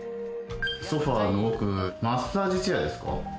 ソファーの奥、マッサージチェアですか？